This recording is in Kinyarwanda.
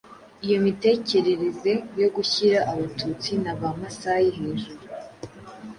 Iyo mitekerereze yo gushyira Abatutsi (na ba Masai) hejuru